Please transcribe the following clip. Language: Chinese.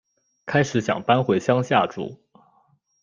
开始想搬回乡下住